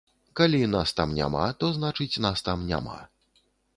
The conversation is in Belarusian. Калі нас там няма, то значыць нас там няма.